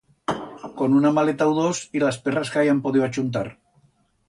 Con una maleta u dos y las perras que hayan podiu achuntar.